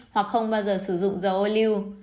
hoặc không bao giờ sử dụng dầu ô lưu